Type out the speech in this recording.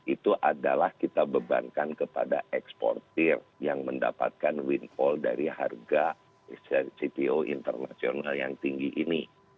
itu adalah kita bebankan kepada eksportir yang mendapatkan windfall dari harga cpo internasional yang tinggi ini